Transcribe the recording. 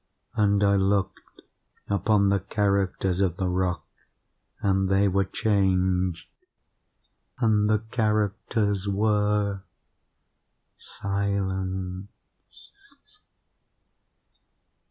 And I looked upon the characters of the rock, and they were changed; and the characters were SILENCE.